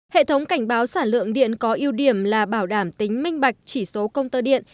hệ thống cảnh báo sản lượng điện có ưu điểm là bảo đảm tính minh bạch chỉ số công tơ điện